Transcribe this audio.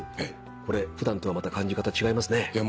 これ普段とはまた感じ方違いますね。